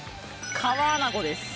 カワアナゴです。